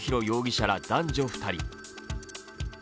容疑者男女２人。